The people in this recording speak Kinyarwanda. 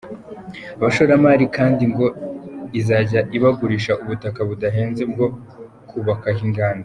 Abashoramari kandi ngo izajya ibagurisha ubutaka budahenze bwo kubakaho inganda.